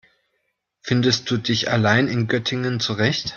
Findest du dich allein in Göttingen zurecht?